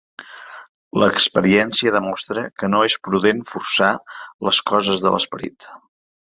L'experiència demostra que no és prudent forçar les coses de l'esperit.